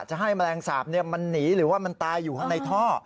จะให้แมลงสาปมันหนีหรือว่ามันตายอยู่ข้างในท่อ